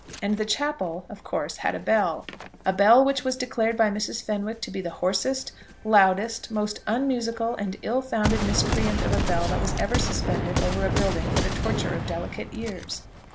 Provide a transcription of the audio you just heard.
And the chapel, of course, had a bell, a bell which was declared by Mrs. Fenwick to be the hoarsest, loudest, most unmusical, and ill founded miscreant of a bell that was ever suspended over a building for the torture of delicate ears.